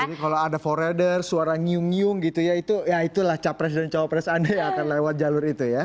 jadi kalau ada forerunner suara nyung nyung gitu ya itulah capres dan cawapres anda yang akan lewat jalur itu ya